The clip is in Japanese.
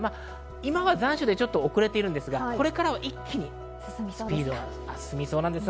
今は残暑でちょっと遅れていますが、これからは一気にスピードが進みそうです。